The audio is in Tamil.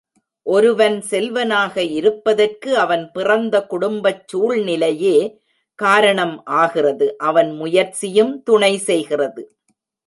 ஒருவன் செல்வனாக இருப்பதற்கு அவன் பிறந்த குடும்பச் சூழ்நிலையே காரணம் ஆகிறது அவன் முயற்சியும் துணை செய்கிறது.